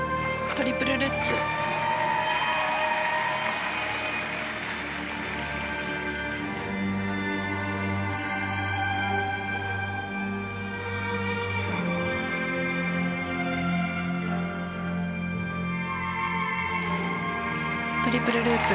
トリプルループ。